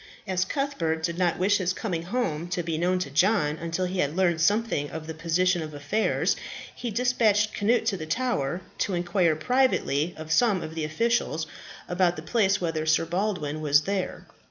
As Cuthbert did not wish his coming home to be known to John until he had learnt something of the position of affairs, he despatched Cnut to the Tower to inquire privately of some of the officials about the place whether Sir Baldwin was there.